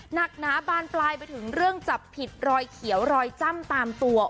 หนาบานปลายไปถึงเรื่องจับผิดรอยเขียวรอยจ้ำตามตัว